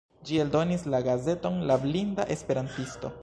Ĝi eldonis la gazeton "La Blinda Esperantisto".